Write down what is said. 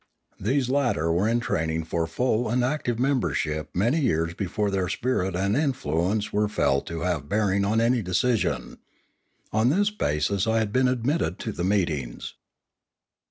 These latter were in training for full and active membership many years before their spirit and influence were felt to have bearing on any decision. On this basis I had been admitted to the meetings.